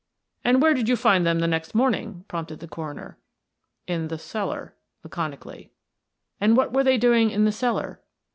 "And where did you find them the next morning?" prompted the coroner. "In the cellar," laconically. "And what were they doing in the cellar?"